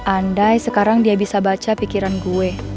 andai sekarang dia bisa baca pikiran gue